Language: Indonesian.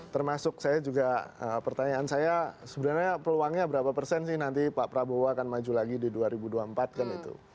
termasuk saya juga pertanyaan saya sebenarnya peluangnya berapa persen sih nanti pak prabowo akan maju lagi di dua ribu dua puluh empat kan itu